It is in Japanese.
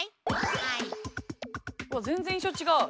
わ全然印象違う。